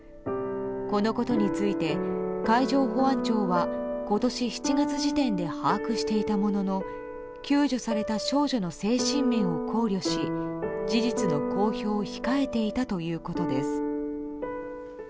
このことについて海上保安庁は今年７月時点で把握していたものの救助された少女の精神面を考慮し事実の公表を控えていたということです。